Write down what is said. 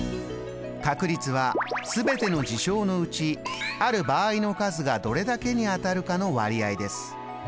確率は全ての事象のうちある場合の数がどれだけにあたるかの割合です。